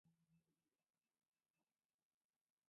Tita chunchulninchik ismay huntam.